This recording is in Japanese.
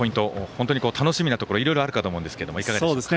本当に楽しみなところいろいろあるかと思いますがいかがでしょうか？